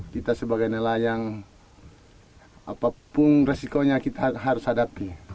kita sebagai nelayan apapun resikonya kita harus hadapi